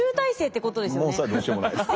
もうそれはどうしようもないです。